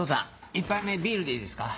１杯目ビールでいいですか？